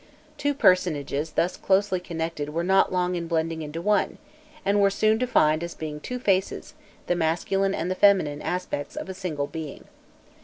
Two personages thus closely connected were not long in blending into one, and were soon defined as being two faces, the masculine and feminine aspects of a single being.